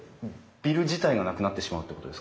ビル自体がなくなってしまうってことですか？